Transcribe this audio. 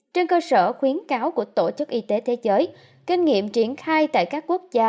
trên cơ sở khuyến cáo của tổ chức y tế thế giới kinh nghiệm triển khai tại các quốc gia